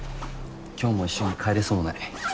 今日も一緒に帰れそうもない